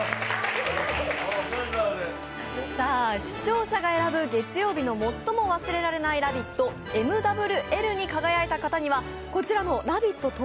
視聴者が選ぶ月曜日の最も忘れられないラヴィットＭＷＬに輝いた方にはこちらのラヴィット！